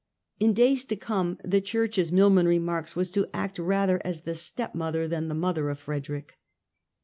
In days to come, the Church, as Milman remarks, was to act rather as the stepmother than the mother of Frederick.